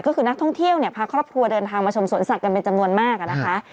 ก็คือนักท่องเที่ยวเนี่ยพาครอบครัวเดินทางมาชมสวนสัตว์กันเป็นจำนวนมากนะคะ